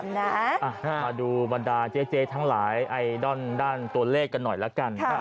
มาดูบรรดาเจ๊ทั้งหลายไอดอลด้านตัวเลขกันหน่อยละกัน